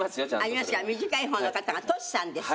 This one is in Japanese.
ありますが短い方の方がトシさんです。